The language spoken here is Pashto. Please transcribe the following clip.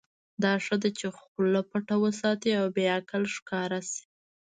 دا ښه ده چې خوله پټه وساتې او بې عقل ښکاره شې.